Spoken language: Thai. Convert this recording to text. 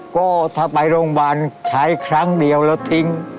ก็ถ้าไปโรงพยาบาลใช้ครั้งเดียวแล้วทิ้ง